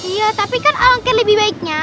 iya tapi kan angket lebih baiknya